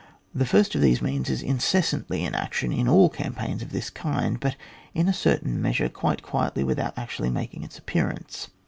The first of these means is incessantly in action in aU campaigns of this kind, but in a certain measure quite quietly without actually making its appearance.